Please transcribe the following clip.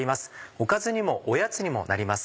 おかずにもおやつにもなります。